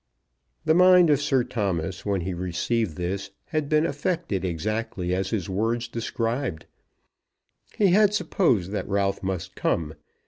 The mind of Sir Thomas when he received this had been affected exactly as his words described. He had supposed that Ralph must come.